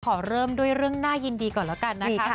ขอเริ่มด้วยเรื่องน่ายินดีก่อนแล้วกันนะคะ